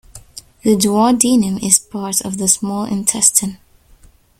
The Duodenum is part of the small intestine.